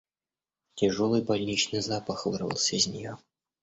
Тяжелый больничный запах вырвался из нее.